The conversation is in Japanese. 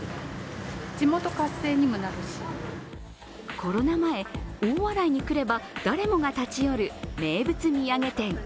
コロナ前、大洗に来れば誰もが立ち寄る名物土産店。